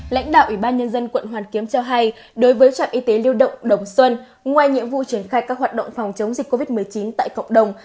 lãnh đạo ủy ban nhân dân quận hoàn kiếm cho hay đối với trạm y tế lưu động đồng xuân ngoài nhiệm vụ triển khai các hoạt động phòng chống dịch covid một mươi chín tại cộng đồng